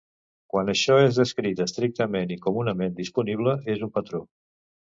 Quan això és descrit estrictament i comunament disponible, és un patró.